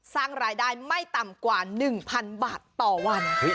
สร้างรายได้ไม่ต่ำกว่า๑๐๐๐บาทต่อวัน